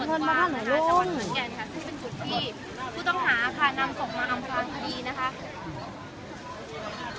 ซึ่งเป็นสุดที่ผู้ต้องหาค่ะนำส่งมาอำภาคดีนะคะ